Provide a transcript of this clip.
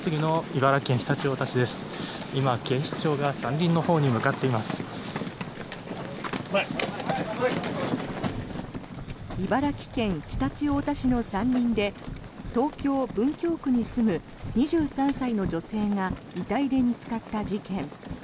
茨城県常陸太田市の山林で東京・文京区に住む２３歳の女性が遺体で見つかった事件。